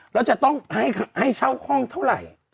แล้วจะต้องให้เช่าห้องเท่าไหร่